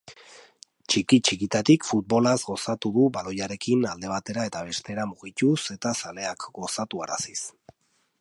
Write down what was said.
Txiki-txikitatik futbolaz gozatu du baloiarekin alde batera eta bestera mugituz eta zaleak gozatuaraziz.